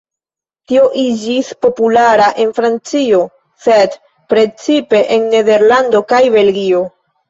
Tio iĝis populara en Francio, sed precipe en Nederlando kaj Belgio.